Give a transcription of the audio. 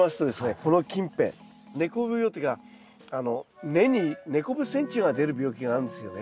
この近辺根こぶ病というか根にネコブセンチュウが出る病気があるんですよね。